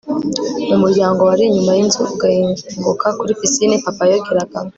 mu muryango wari inyuma yinzu ugahinguka kuri pisine papa yogeragamo